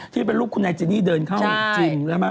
ที่เป็นรูปคุณไอจีนี่เดินเข้าจริงแล้วมา